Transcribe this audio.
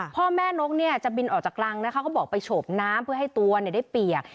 พ่อแม่นกเนี่ยจะบินออกจากรังนะคะเขาบอกไปโฉบน้ำเพื่อให้ตัวได้เปียก